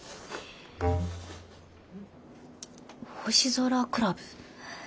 星空クラブ？